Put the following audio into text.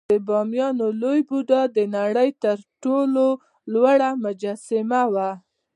د بامیانو لوی بودا د نړۍ تر ټولو لوی ولاړ مجسمه وه